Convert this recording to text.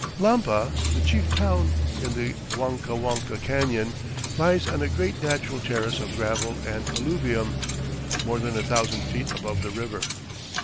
Lampa, the chief town in the Huancahuanca Canyon, lies on a great natural terrace of gravel and alluvium more than a thousand feet above the river.